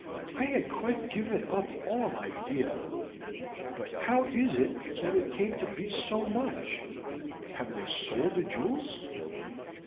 "I had quite given up all idea of it. But how is it that it came to be so much? Have they sold the jewels?"